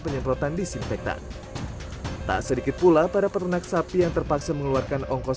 penyemprotan disinfektan tak sedikit pula para pernak sapi yang terpaksa mengeluarkan ongkos